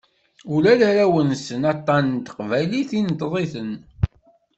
Ula d arraw-nsen, aṭṭan n teqbaylit inṭeḍ-iten.